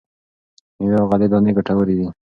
مېوې او غلې دانې ګټورې دي.